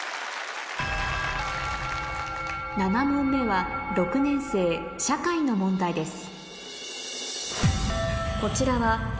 ７問目は６年生社会の問題です